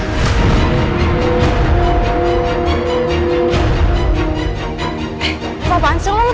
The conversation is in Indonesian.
tidak tau dia sendiri